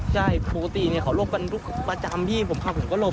ใช่ปกติเขาหลบกันทุกประจำพี่ผมขับผมก็หลบ